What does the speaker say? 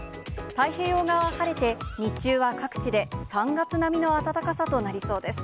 太平洋側は晴れて、日中は各地で３月並みの暖かさとなりそうです。